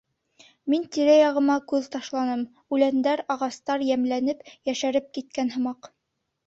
Мин тирә-яғыма күҙ ташланым: үләндәр, ағастар йәмләнеп, йәшәреп киткән һымаҡ.